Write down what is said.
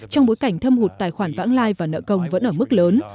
trong bối cảnh thâm hụt tài khoản vãng lai và nợ công vẫn ở mức lớn